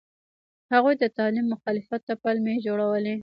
هغوی د تعلیم مخالفت ته پلمې جوړولې.